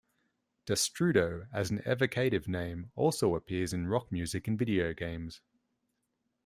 'Destrudo' as an evocative name also appears in rock music and video games.